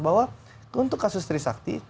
bahwa untuk kasus trisakti